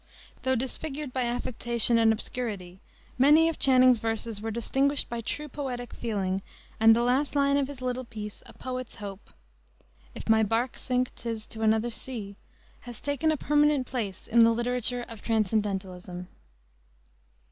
Though disfigured by affectation and obscurity, many of Channing's verses were distinguished by true poetic feeling, and the last line of his little piece, A Poet's Hope, "If my bark sink 'tis to another sea," has taken a permanent place in the literature of transcendentalism.